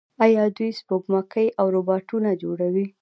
آیا دوی سپوږمکۍ او روباټونه نه جوړوي؟